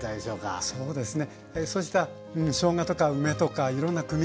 あそうですね。